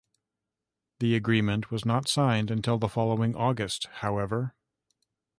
The agreement was not signed until the following August, however.